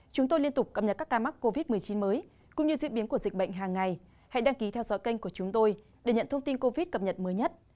các bạn hãy đăng ký kênh của chúng tôi để nhận thông tin cập nhật mới nhất